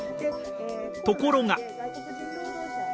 ところが。